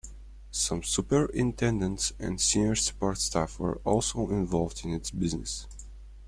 Some superintendents and senior support staff were also involved in its business.